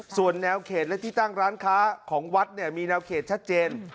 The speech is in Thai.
ส่วนแนวเขตและที่ตั้งร้านค้าของวัดเนี่ยมีแนวเขตชัดเจน